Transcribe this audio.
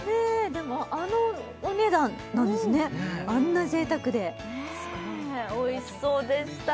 でもあのお値段なんですねあんな贅沢ですごいねぇおいしそうでした